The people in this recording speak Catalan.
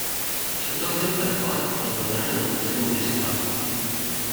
S’atorguen per acord del Plenari del Consell Municipal.